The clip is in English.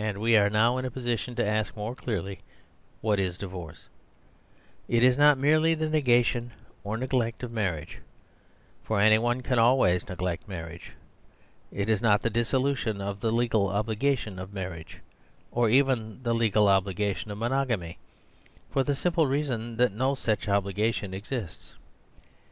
And we are now in a position to ask more clearly what is divorce. It is not merely the negation or neglect of marriage; for any one can always neglect marriage. It is not the dissolution of the legal obligation of mar riage, or even the legal obligation of monog amy; for the simple reason that no such obli gation exists.